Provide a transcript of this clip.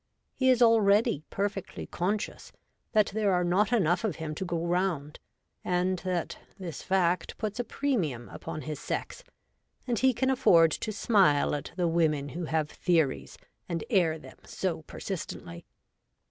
He is already perfectly conscious that there are not enough of him to go round, and that this fact puts a premium upon his sex ; and he can afford to smile at the women who have theories and air them so persistently.